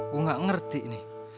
gue gak ngerti nih